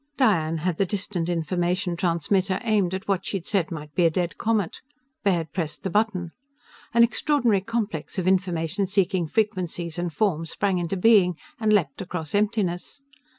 Diane had the distant information transmitter aimed at what she'd said might be a dead comet. Baird pressed the button. An extraordinary complex of information seeking frequencies and forms sprang into being and leaped across emptiness.